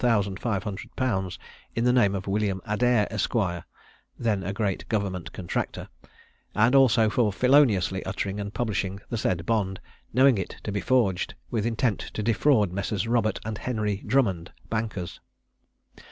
_ in the name of William Adair, Esq (then a great government contractor), and also for feloniously uttering and publishing the said bond, knowing it to be forged, with intent to defraud Messrs. Robert and Henry Drummond, bankers.